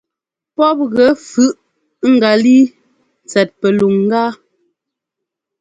Pɔ́p gɛ fʉꞌ ŋgalíi tsɛt pɛluŋgá.